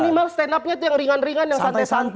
minimal stand up nya itu yang ringan ringan yang santai santai